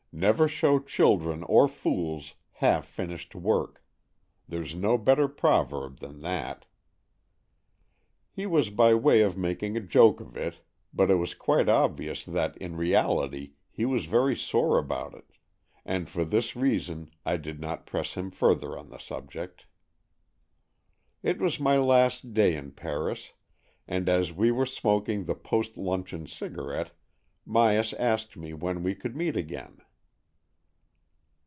Never show children or fools half finished work — there's no better proverb than that." He was by way of making a joke of it, but 10 AN EXCHANGE OF SOULS it was quite obvious that in reality he was very sore about it, and for this reason I did not press him further on the subject. It was my last day in Paris, and as we w'ere smoking the post luncheon cigarette, Myas asked me when we could meet again.